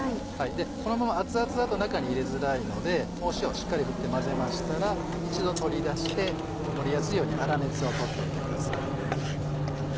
このまま熱々だと中に入れづらいので塩しっかり振って混ぜましたら一度取り出して盛りやすいように粗熱を取っておいてください。